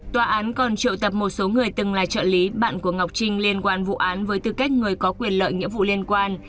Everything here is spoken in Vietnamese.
tòa án còn triệu tập một số người từng là trợ lý bạn của ngọc trinh liên quan vụ án với tư cách người có quyền lợi nghĩa vụ liên quan